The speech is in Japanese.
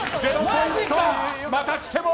またしても。